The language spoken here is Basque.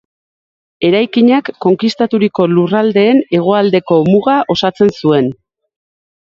Eraikinak konkistaturiko lurraldeen hegoaldeko muga osatzen zuen.